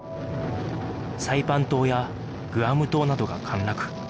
サイパン島やグアム島などが陥落